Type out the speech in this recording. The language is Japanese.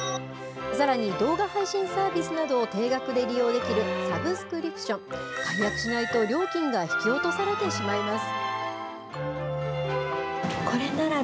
さらに動画配信サービスなどを定額で利用できるサブスクリプション、解約しないと料金が引き落とされてしまいます。